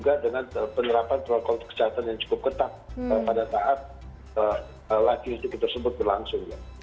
karena ada beberapa hal yang harus diberi penerapan protokol kesehatan yang cukup ketat pada saat live music tersebut berlangsung